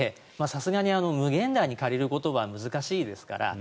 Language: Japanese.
さすがに無限大に借りることは難しいですから。